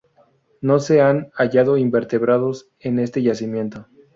No se han hallado invertebrados en este yacimiento.